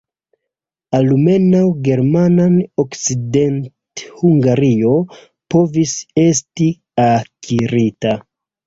Almenaŭ German-Okcidenthungario povis esti akirita.